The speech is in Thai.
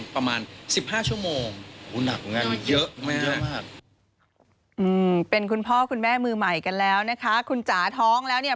เป็นคุณพ่อคุณแม่มือใหม่กันแล้วนะคะคุณจ๋าท้องแล้วเนี่ย